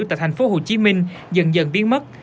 tại tp hcm dần dần biến mất